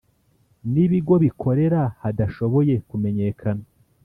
n ibigo bikorera hadashoboye kumenyekana